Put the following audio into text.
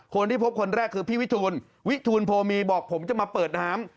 คนที่พบคนแรกคือพี่วิทูลวิทูลโพมีบอกผมจะมาเปิดน้ำ